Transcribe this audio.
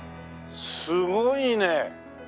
すごいね。